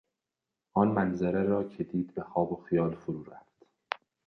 آن منظره را که دید به خواب و خیال فرو رفت.